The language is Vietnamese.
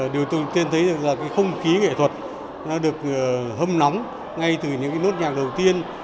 điều tôi thấy là không khí nghệ thuật được hâm nóng ngay từ những nốt nhạc đầu tiên